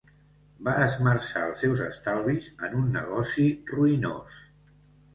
Va esmerçar els seus estalvis en un negoci ruïnós.